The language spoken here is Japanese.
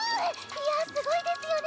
いやぁすごいですよね